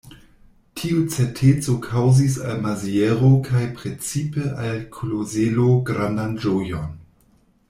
Tiu certeco kaŭzis al Maziero kaj precipe al Klozelo grandan ĝojon.